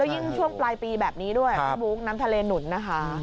ยิ่งช่วงปลายปีแบบนี้ด้วยพี่บุ๊คน้ำทะเลหนุนนะคะ